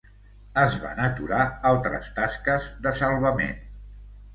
Es van aturar altres tasques de salvament.